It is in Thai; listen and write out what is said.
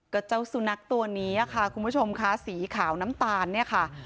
ก็เจ้าสุนัขตัวนี้ค่ะคุณผู้ชมค่ะสีขาวน้ำตาลเนี่ยค่ะ